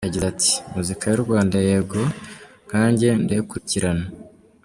Yagize ati “Muzika y’u Rwanda yego nkanjye ndayikurikirana.